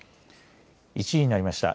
１時になりました。